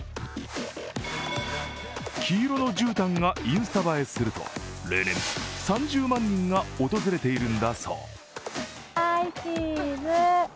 黄色のじゅうたんがインスタ映えすると例年３０万人が訪れているんだそう。